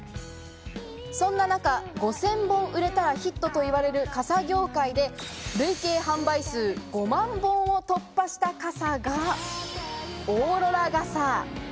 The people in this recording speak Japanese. そんな中、５０００本売れたらヒットといわれる傘業界で累計販売数５万本を突破した傘が、オーロラ傘。